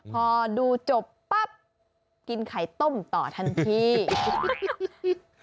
พอดูจบปั๊บกินไข่ต้มต่อทันที